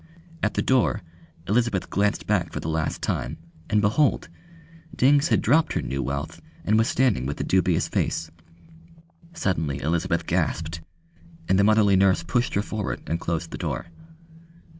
At the door Elizabeth glanced back for the last time, and behold! Dings had dropped her new wealth and was standing with a dubious face. Suddenly Elizabeth gasped, and the motherly nurse pushed her forward and closed the door.